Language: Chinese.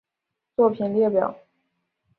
作品列表